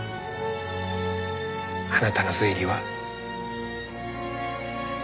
あなたの推理は？